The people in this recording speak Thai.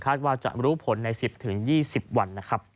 คาดว่าจะรู้ผลใน๑๐๒๐วัน